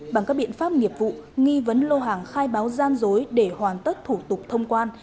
bằng các biện pháp nghiệp vụ nghi vấn lô hàng khai báo gian dối để hoàn tất thủ tục thông quan